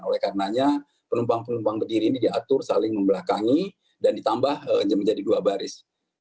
oleh karenanya penumpang penumpang berdiri ini diatur saling membelakangi dan ditambah menjadi dua baris